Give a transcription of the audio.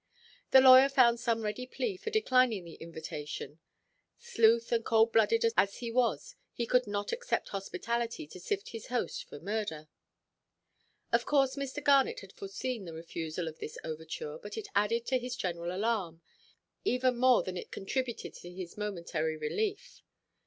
The lawyer found some ready plea for declining this invitation; sleuth and cold–blooded as he was, he could not accept hospitality to sift his host for murder. Of course Mr. Garnet had foreseen the refusal of this overture; but it added to his general alarm, even more than it contributed to his momentary relief.